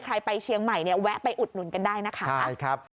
ใครไปเชียงใหม่เนี่ยแวะไปอุดหนุนกันได้นะคะ